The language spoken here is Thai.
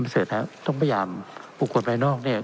ท่านพระเศรษฐ์ครับต้องพยายามบุคคลไปนอกเนี่ย